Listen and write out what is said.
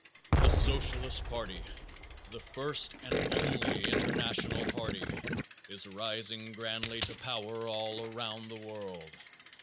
The Socialist party, the first and only international party, is rising grandly to power all around the world.